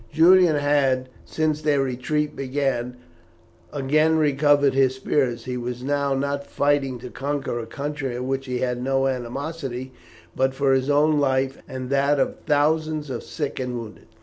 Julian had, since their retreat began, again recovered his spirits. He was now not fighting to conquer a country against which he had no animosity, but for his own life and that of the thousands of sick and wounded.